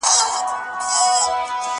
يو وار نوک ځاى که، بيا سوک.